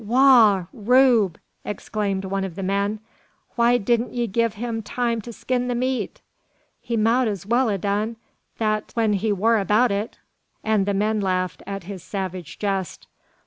"Wagh! Rube!" exclaimed one of the men; "why didn't ye give him time to skin the meat? He mout as well 'a done that when he war about it;" and the man laughed at his savage jest.